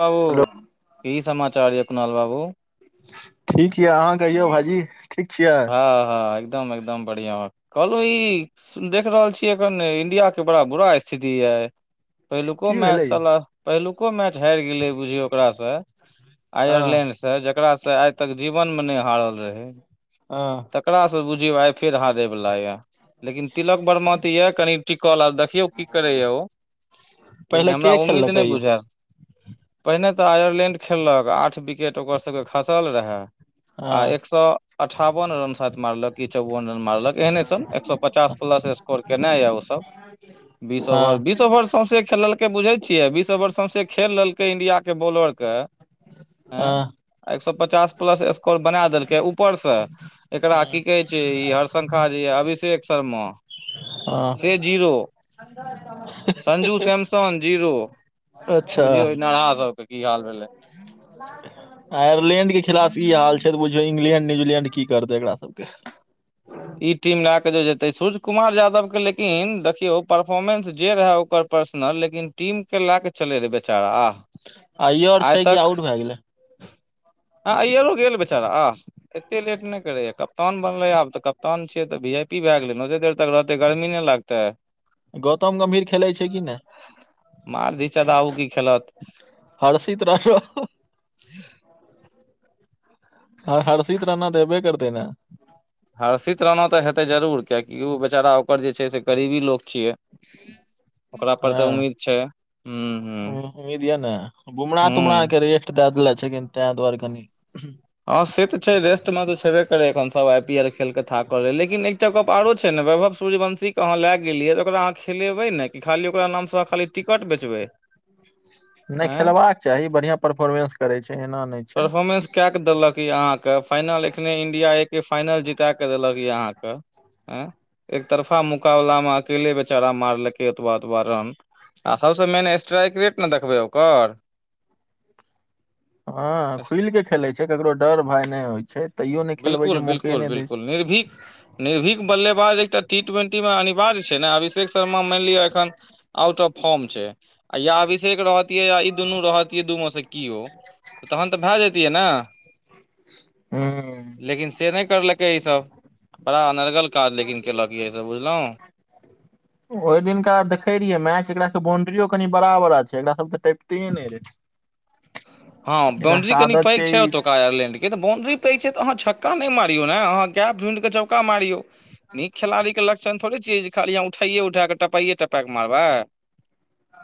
बाबू हेलो कि समचार ये कुनाल बाबू। ठीक य अहाँ कहियौ भाइजी ठीक छियै। हँ हँ एकदम-एकदम बढ़िया कहलहु ई। देख रहल छियै एखन इंडिया के बड़ा बुरा स्थिति यए। पहिलुको की मैच भेलै यौ सब, पहिलुको मैच हारि गेलै बुझियौ ओकरासँ। हँ आयरलैन्ड सँ, जकरासँ आइ तक जीवनमे नहि हारल रहै। अ। ओकरा सँ बुझियो, आइ फेर हारयवला या। लेकिन तिलक बर्मा त या कनि टिकल आ, देखियौ की करे या ओ? लेकिन पहिले हमरा के उम्मीद खेललकै नहि यौ बुझा पहिने तऽ आयरलैंड खेललक, आठ विकेट ओकर सबके खसल रहए। हँ आ एक सौ अठावन रन शायद मारलक, कि चौवन रन मारलक। एहने सन, एक सौ पचास प्लस स्कोर केना य ओ सब, बीस ओवर हँ बीस ओवर सौंस खेलल कय बुझे छियै, बीस ओवर सौंसे खेल रहल लकै इंडिया के बॉलर के, एँ। हँ एक सौ पचास प्लस स्कोर बना देलकै ऊपर से, एकरा की कहे छै इ [unintelligible] जे य अभिषेक शर्मा आ। के जीरो। संजू सैमसंग जीरो, अच्छा बुझियौ ई नरहा सबके की हाल भलै। [unintelligible] आयरलैंड के खिलाफ ई हाल छै, त बुझियौ इंग्लैंड, न्यूजीलैंड, की करतै एकरा सबके? ई टीम लए कऽ ज जेतै, सूर्य कुमार यादव के लेकिन देखियौ, परफॉर्मेंस जे रहै ओकर पर्सनल, लेकिन टीम के लए के चले रहे बेचारा, आह! आ ई आऔर छै कि, आउट भए गेलै? आ अइयो गेल बेचारा, आह! एते लेट नहि करेय कप्तान बनले आब। तऽ कप्तान छियै तऽ, वी आई पी भए गेलै ने, ओते देर तक रहतै गर्मी नहि लगतै। गौतम गम्भीर खेलै छै कि नहि [inaudible] की खेलत हर्षित राठौ आर हर्षित राणा त ऐबे करतै ने? हर्षित रहना तऽ हेतै जरूर, कियकि ओ बेचारा ओकर जे छै से करीबी लोक छियै। ही। हँ हूँ उम्मीद य ने, बुमरा- तुमरा हूँ क र दादला छै क त द्वार कनी [unintelligible] हँ से तऽ छै रेस्ट मे तऽ छेबे करे, एखन सब आई पी एल खेल के थाक कर रहै, लेकिन एक जग आरो छै ने, वैभव, सूर्यवंशीके अहाँ लए गेलियै तऽ ओकरा अहाँ खेलेबै ने कि, खाली ओरा नामसँ खाली टिकट बेचबै। नहि एँ खेलबाक चाही, बढ़िआँ परफोर्मेंस करै छै, एना नहि छै। परफोर्मेंस कए देलक य अहाँके, फाइनल एखने इंडिया एक फाइनल जीता क देलक य अहाँके! ह, एक तरफा मुकाबला मे, अकेले बेचारा मारलकै ओतबा ओतबा रन। आ सभसँ मेन स्ट्राइक रेट ने देखबै ओकर। हँ खुल के खेलै छै, ककरो डर भाय नहि होइ छै, तैयो ने खेलबै बिल्कुल छै मौके बिल्कुल नहि दे बिल्कुल छै। निर्भीक! निर्भीक बल्लेबाज एकटा टी ट्वेंटी मे अनिवार्य छै ने, अभिषेक शर्मा मानि लिअ एखन आउट ऑफ फॉर्म छै, आ या अभिषेक रहत दुनू रहियै, दू मसँ कओ तहन तऽ भए जेतियै ने। हँ। लेकिन से नहि करलकै ईसभ, बड़ा अनर्गल काज लेकिन केलक यसभ बुझलहुँ। ओहि दिनका देखे रहियै, मैच एकरा के बाउंड्रियो कनि बड़ा- बड़ा छै, एकरा सब तऽ टैपिते नहि रहे। हँ एकरा बाउंड्री के कनि आदत पैग छै ओतुका आयरलैंड य तऽ बाउंड्री पैघ छै त अहाँ छका नहि मारियौ ने अहाँ गैप ढूंइढ क चौका मारियौ। नीक खेलाड़ी के लक्षण थोड़े छियै जे खाली अहाँ उठाइए उठा क टपैयए टपेक मारे।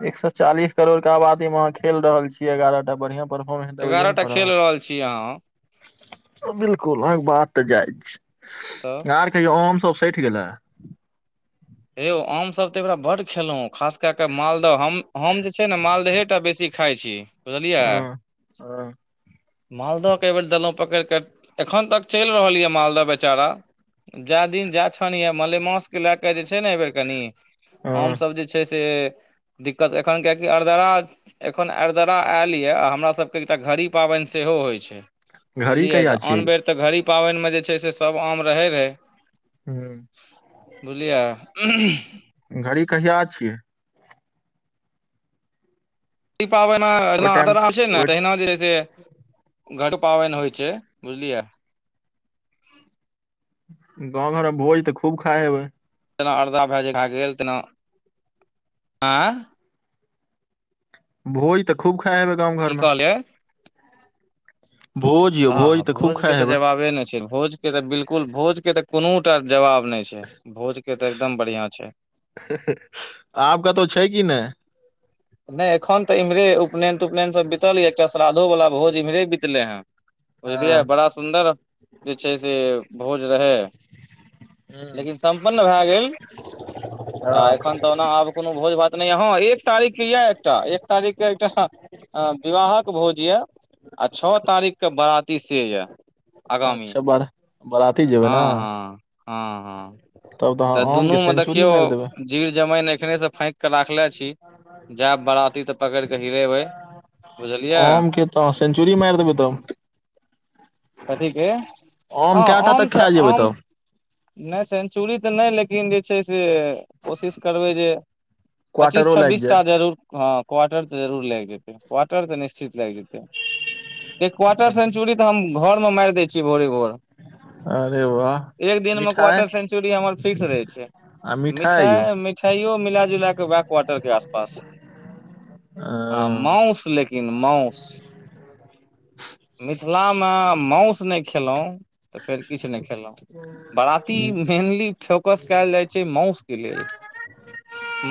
एक सए चालीस करोड़ के आबादी मे अहाँ खेल रहल छियै एगारह टा बढ़िया। परफॉमेनस देबैए एगारह न टा खेल पड़त। रहल छी अहाँ आ बिलकुल अलग बात जाइ छै तऽ आर देखयौ आम सब सठि गेलेह। हे यौ आम सब तऽ अहिबेरा बड खेलौ खास कऽक मालदह हम जेछै न मालदहे टा बेसी। खाइ छी बुझलिया। हँ हँ मालदहके एहि बेेर देलहुँ पकड़ि के एखन तक चलि रहल यए मालदह बेचारा। जा दिन जा छनिय मलेमास के लए क जेछै ने एहिबर कनि आम हँ सब जे छै से दिक्कत एखन कियकि अरदरा एखन अरिदरा आयल यए आ हमरा सभके एकटा घड़ी पाबनि सेहो होइ छै। घड़ी बुझलियै कहिया तऽ छियै आन बेर तऽ घड़ी पाबनिमे जेछै से सभ आम रहै रहै हँ। बुझलिय। घड़ी कहिया छियै? ई पाबनि ओहि अहिना टाइम अदरा छै ने ओ तहिना जेछै से घट पाबनि होइ छै बुझलियै। गाँउ घरमे भोज तऽ खूब खाइ हेबै। जेेना अरदा भऽ जे भए गेल तेना आँय भोज तऽ खूब खाए हेबै गाँव की घर मे। कहलियै भोज यौ आह तऽ खूब भोज के खाइ तऽ हेबै जवाबे नेछै भोज के तऽ बिलकुल भोज के तऽ कुनूटा जवाब नहि छै भोज के तऽ एकदम बढ़ियाँ छै आब कतहु छै कि नहि? नहि एखन तऽ इम्हरे उपनयन तुपनयन सब बितल या एकटा श्राद्धो वला भोज इम्हरे बितले हँ हँ बुझलियै बड़ा सब सुन्दर जेछै से भोज रहै लेकिन सब सम्पन्न भऽए गेल आ ह एखन त ओना आब कोनो भोज भात नहि य ह एक तारीख ये एकटा एक तारीख के एकटा सा विवाहक भोज ये। आ छअ तारीखके बारातती सेयऽ आगामी। अच्छा बर बराती जेबै ने? हँ हँ हँ हँ तब तऽ अहाँ आम के दुनूमे सेंचुरी देखियौ। मारि देबै जीर जमाइन एखनेसँ फाइक कऽ राखले छी। जायब बाराती तऽ पकड़ि कऽ हिरेबै बुझलियै। ह सेंचुरी मारि देबै तऽ हम। कथी के ह कएटा आम तक तऽ खा जेबै आम तब नैय सेंचुरी तऽ नै लेकिन जेछै से। कोशिश करबै जे पचीस क्वार्टरो लागि छब्बीस टा जाय जरूर हँ क्वार्टर तऽ जरूर लागि जेतै क्वार्टर तऽ निश्चित लागि जेतै। एक क्वार्टर सेंचुरी तहम घर मे मारि दै छीयै भोरे-भोर अरे वाह एक दिन मे मिठाइ क्वार्टर से सेंचुरी हमर फिक्स रहै छै आ मिठाइ मिठाई यौ आ मि मिठाईयो मिला- जुला कऽ वैह क्वार्टरके आस-पास छै। ह आ माउस लेकिन माउस मिथिला में माउस नै खेलहुँ तऽ फेर किछ नै खेलहुँ। बराती ह मेंनली फोकस कैल जाइ छै माउसके लेल।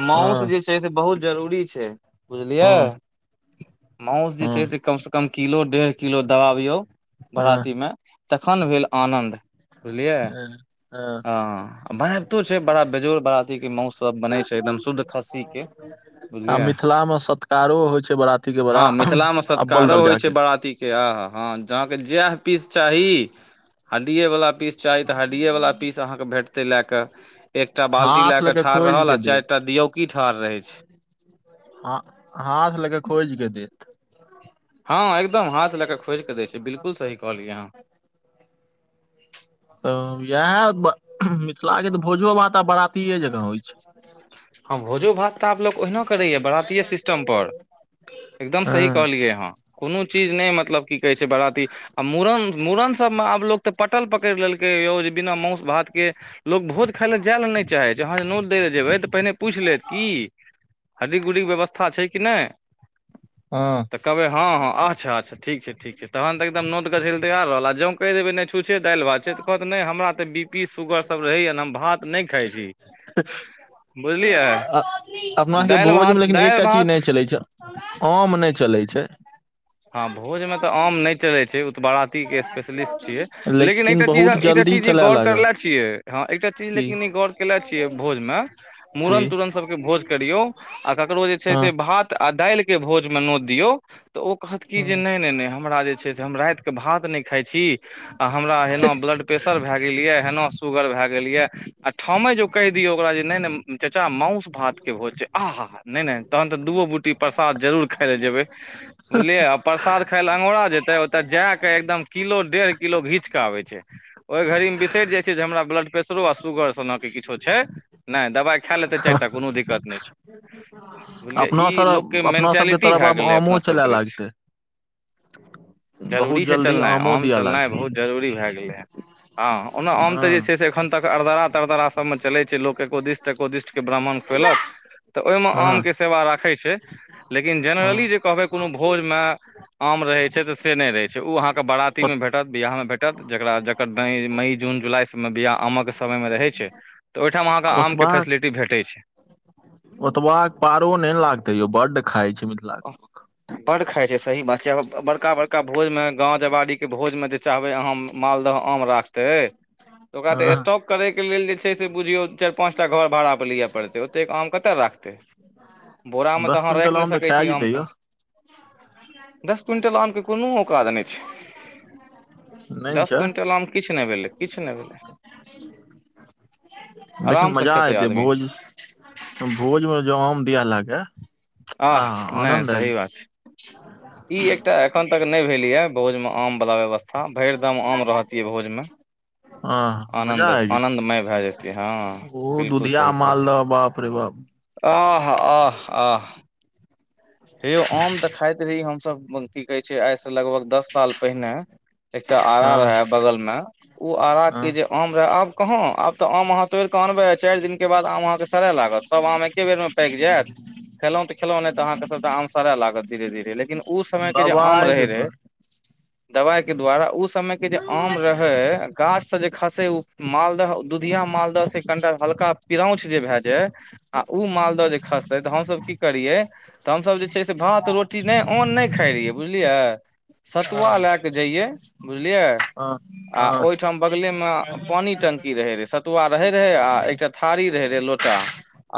माउस जे छै से बहुत। जरूरी छै बुझलियै, ह माउस जे छै से कम। कम किलो-डेढ़ किलो दबाबियौ ह बराती में तखन भेल आनन्द। बुझलियै, ह ह हँ बनाबैतो छै बड़ा बेजोड़ बराती के माउस। सब बनै छै, एकदम शुद्ध खस्सी के आ बुझलियै। मिथिला मे सत्कारो होइ छै बराती के बड़ा हँ मिथिला में अब्बल सत्कारो होइ दर्जा छै के बाराती। हँ हँ अहाँके जेएह पीस चाही हड्डीए वला पीस। चाही तऽ हड्डिए वला पीस अहाँकेँ भेटतै लए कऽ। एकटा बाल्टी लए हाथ लऽ कऽ के ठाढ़ खोजि रहल आ के चारि देत टा दियौकी ठाढ़ रहै छै। हँ, हाथ लके खोइज के देत। हँ एकदम, हाथ लए कऽ खोजि कऽ दै छै बिल्कुल सही कहलियै अहाँ। तऽ इएह मिथिला के तऽ भोजो-भात आब बरातीये जकाँ होइ छै। हँ भोजो-भात आब लोक। ओहिना करैए बरातीये सिस्टम पर, एकदम सही हँ कहलियै अहाँ। कोनो चीज नै मतलब की कहै छै बारती आ मूड़न। मूड़न सबमें आब लोक तऽ पटल पकड़ि लेलकै यौ जे बिना मउस-भातके। लोक भोज खाय लए जाय लए नै चाहै छै, अहाँ नोत दै ले जेबै। पहिने पूछि लेत की हड्डी-गुडी व्यवस्था छै कि नै। हँ। तऽ कहबै हँ हँ अच्छा -अच्छा ठीक छै, ठीक छै तहन तऽ एकदम नोत गैछै लेल तैयार रहल आ जँ कहि देबै नै। छूछे दालि-भात छै तऽ कहत नै हमरा तऽ बी पी- सुगर सब रहैये ने हम भात नै खाइ छी। बुझलियै आ अपना सबके दालि भोज में भात लेकिन दालि एकटा चीज भात नै चलै छै। अहूं में नै चलै छै। हँ भोज में तऽ आम नै चलै छै। बाराती के स्पेशलिस्ट छियै, लेकिन एकटा चीज बहुत हम, एकटा जल्दी चीज चलय गौर करले लागत छियै। हँ एकटा चीज की लेकिन गौर केेले छियै भोज में की मूड़न- तूड़न सब के भोज करियऔ। आ ककरो जे छै हँ से भात आ दाइल। के भोज में नोत दियौ तऽ ओ कहत हँ नैय नै हमरा जे छै से हम राइत। के भात नै खाइ छी। आ हमरा एना ब्लड प्रेशर भए गेलया, एना शुगर भए गेलैए। आ ठामै जो कहि दियऔ ओकरा जे नै-नै। चा माउस भात के भोज छै, आ हा हा नै- नै तहन तऽ दू बूटी प्रसाद जरूर खाय लए जेबै। बुझलियै आ प्रसाद खाय लए अंगोड़ा जेतै, ओतऽ जाय कऽ एकदम किलो, डेढ़ किलो घींच कऽ आबै छै। ओइ घड़ी में बिसैरि जाइ छै जे हमरा ब्लड प्रेसरो आ सुगर सनक के किछो छै। नइ दबाई खा लेतै चारि टा कोनो दिक्कत नहि छै। बुझलियै, अपना ई लोकके सब अपना सबके मेंटालिटी तरफ भए आब गेलै आमो अपना चलय सब। लागतै बहुत जरूरी से जल्दी चलनाइ, आमो हम दिअ चलनाइ लागतै बहुत। जरूरी भऽ गेलैं। हँ, ओना हम हँ तऽ अखैन तक अरदरा- तरदरा। सबमें चलै छै, लोक एकोदिष्ट-तेकोदिष्ट के ब्राह्मण खुएलक। तऽ ओहि में हँ आमके सेवा राखै छै, लेकिन ह जेनरली जे कहबै कोनो भोजमें। आम रहै छै तऽ से नहि रहै छै, ऊ अहाँके बारती में भेटत बियाह में भेटत जकरा। तऽ मई, जून, जुलाई सब में बियाह आमकऽ समय में रहै छै। तऽ ओहिठाम अहाँकेँ ओतबा आमके फैसिलिटी भेटैऽ छै। ओतबा पारो न लागते यौ, बड्ड खााय छै मिथिला। बड़ खाइ छै सही बात छै, बड़का बड़का भोजमे गाँव जवाड़ीके भोजमे जे चाहबै आहआम, मालदह आम राखतै तऽ, ओकरा तऽ ह स्टॉक करयके लेल जे छै से बुझियौ, चारि पाँच टा घर भाड़ाापर लिअ पड़तै, ओतेक आम कतय राखतै। बोरा मे तऽ दस अहाँ क्विंटल राखि नहि आम तऽ सकैत खा छी जेतै यौ आमके? दस क्विण्टल आमके कोनो औकाद नहि छै। नहि ने दस छै क्विंटल आम किछु नहि भेलै, किछु नहि भेलै। लेकिन आराम से मजा खेतै एतै आदमी। भोज भोजमे ज आम दिय लागे। आह! नहि सही बात छै। [inaudible] इ एकटा एखन तक ने भेल ये, बोज में आम वाला व्यवस्था। हँ, भरि गामँ आम रहबाक चाही भोजमे। हँ मजा आनन्द आबि जेतै आनन्दमय भए जेतै, हँ। ओ 'बिलकुल' दुधिया सही कहलै। मालदह बाप रे बाप आह! आ -आ आह! हे यौ आम तऽ खाइत रही हमसभ की कहै छै, आइसँ लगभग दस साल पहिने। एकटा आरा हँ रहे बगल में, ओ आरा हँ के जे आम र आब कहाँ, आब तऽ आम अहाँ तोड़ केे आनबे चारि दिन बाद आम अहाँके सड़य लागत, सब आम एके बेर मे पाकी जाय, खेलौं तऽ खेलौ नहि तऽ अहाँके सब आम सारय लागत, धीरे -धीरे लेकिन ओ समय के जे आम दबाइके रहे रहे। द्वार दवाइ के द्वारा उस समय के जे आम रहे, गाछ से जे खसे, उ मालदह दुधिया मालदह से कनिटा हल्का पिरौछ जे भए जाय, आ ओ मालदह जे खसतै तऽ हमसभ की करियै तऽ हमसभ जे छै से, भात रोटी नहि अन्न नहि खाइत रहियै बुझलियै। सतुआ हँ लए कऽ जइयै बुझलियै। हँ। आ हँ ओहिठाम बगले में पानी टंकी रहे, रहे सतुआ रहे- रहे आ थारी रहे रहे लोटा,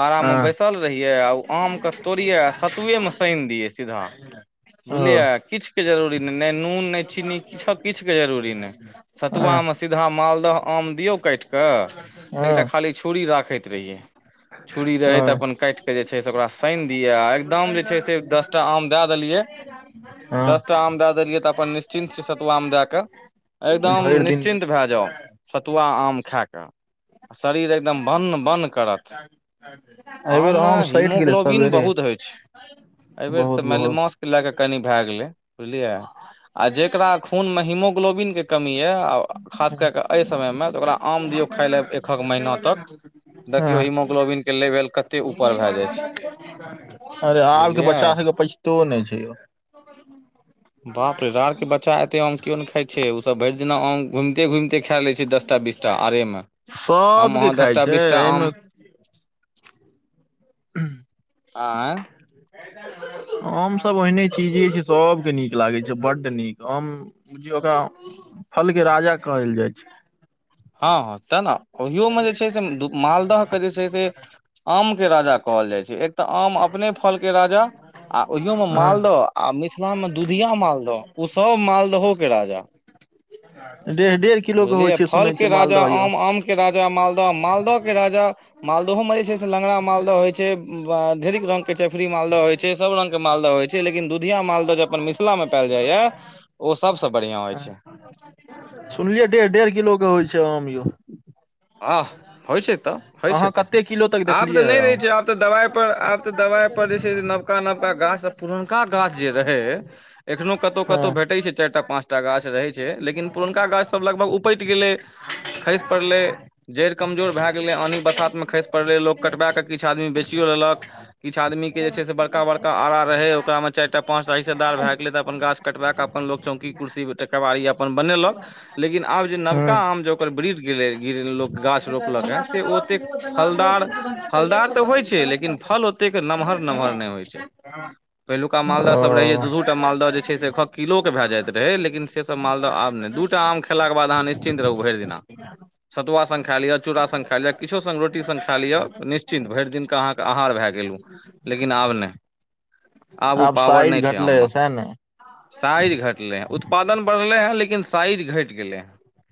आरा में हँ बैसल रहिये, आ ओ आम के तोड़िये आ एके मे सायिन दियै सिधा, ओ बुझलियै! किछ के जरूरी नै न नुन के। नै चीनी, किछु के जरूरी नहि। हँ सतुआमे सीधा मालदह आम दियौ काटि कऽ। एकटा हँ खाली छुरी राखैत रहियै, छुरी रहैत त हँ अपन काटिऽ। के जे छै से, ओकरा साइन दियै आ गाम मे छयी से तह दस टा आम द देलियै, हँ दस टा आम द देलियै तऽ अपन निश्चिन्त छै सतुआमे दए कऽ, एकदम भरि दिन निश्चिन्त भए जाउ। सतुआ आम खाय क, शरीर एकदम बन -बन एहि बेेर आम सठि गेलै हीमोग्लोबिन सवेरे। बहुत होइ छै एहिबेर तऽ मानि लिअ मास्के लए कऽ कनि भए गेलै। बुझलियै! आ जेकरा खून मे हिमोग्लोबिन के कमी यऽ आ ओ खास कए कऽ एहि समयमे, तऽ ओकरा आम दियौ खायइ लए एकक महीना तक देखियौ हँ हिमोग्लोबिनके लेवल कतेक ऊपर भए जाइ छै। अरे आबके बुझलियै बच्चा सबके पैचतोनै छै, यौ। बापरे आब के बच्चा एते आम किओ ने खाय छियै, ओसब भैर दिना आम घुमिते -घुमिते खेए लै छै दस टा बीसटा आइरेमे, हम सबके अहाँ खाइ दसटा छै बीस टा एहिमे आम आइअ। हाम सब ओहिने चीजे छै सबके निक लागै छै बड्ड निक हाम बुझियो ओकरा फल के राजा कहल जाय छै। हाँ हाँ तऽ न। ओहियोमे जे छै से, मालदहके जे छै से, आमके राजा कहल जाइ छै एक तऽ आम अपने फलके राजा, आ ओहियोमे मालद हँ आ मिथिलामे दुधिया मालद ओ सब मालदहो के राजा। डेढ़ डेढ़ किलो के होइ बुझलियै छै फल सुनै छी? के राजा आम, आम के राजा मालदह, मालदह के राजा मालदहो मे जे छै से लंगरा मालद होइ छै, धेरीक रंग के चेफरी मालदह होइ छै। से सब रंग के मालदअ होइ छै, लेकिन दुधिया मालदह जे अपन मिथिला मे पेएल जाइअ ओ सबसँ बड़िआँ होइ हँ छै। सुनलियै डेढ़ डेढ़ किलो के होइ छै आम यौ। आह, होइत छै तऽ, होइत छै अहाँ तऽ, कते किलो तक आब तऽ देखलियै नै हे रहै आम छै, आब तऽ दबाइपर, आब त दबाइ पर जे छै से नबका नबका गाछ सब, पुरनका गाछ जे रहै एखनो कतौ हँ कतौ भेटै छै चाइर टा पांच टा गाछ रहै छै, लेकिन पुरनका गाछ सब लगभग उपैट गेलै। ऐ, खैस पड़ले। जइड़ कमजोर भेए गेलै, आंनिक बसातमे खैस पड़लै। लोक कटबाए कऽ किछु आदमी बेचियो लेलक। किछ आदमी के जे छै से बड़का बड़का आरा रहै, ओकरा मे चाइर टा पाँचटा हिस्सेदार भेय गेलै त अपन गाछ कटबा कऽ अपन लोक चौकी, कुर्सी, केबारी अपन बनेलक। लेकिन आब नबका हँ आम जे ओकर [unintelligible] ब्रिज गेल गिरललोक गाछ रोपलक ए, से ओतेक फलदार, फलदार तऽ होइ छै लेकिन फल ओ तेक नमहर नमहर नै होइ छै। पहिलुका मालदह सब रहै जे, ओ दू दू टा मालदह जे छै से एक हक किलोके भेए जाइत रहै, लेकिन सेसब मालदअ आब नै दू दूटा आम खेलाके बाद अहाँ निशचिंत रहू भैर दिना। सतुआ संग खा लिअ, चूड़ा संग खा लिअ, किछो संग रोट संग खा लिअ निशचिंत, भैर दिन क अहाँके आहार भेए गेल उ। लेकिन आब नै, आब ओ पावर साइज नै छै आम घटलै ह म। सैह ने साइज घटलै, उत्पादन बढ़लै हँ लेकिन साइज घैट गेलै हँ।